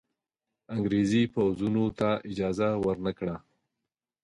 انګرېزي پوځونو ته اجازه ورنه کړه.